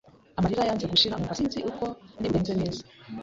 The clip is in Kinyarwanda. amarira yanze gushira, nkumva sinzi uko ndi bubigenze neza